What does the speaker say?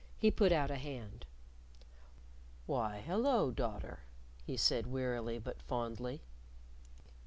He put out a hand. "Why, hello, daughter," he said wearily, but fondly.